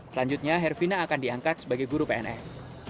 selanjutnya herfina akan diangkat sebagai guru pns